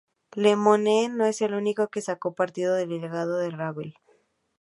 Lemoine no es el único que sacó partido del legado de Ravel.